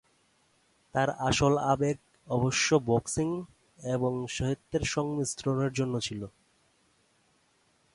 তাঁর আসল আবেগ অবশ্য বক্সিং এবং সাহিত্যের সংমিশ্রণের জন্য ছিল।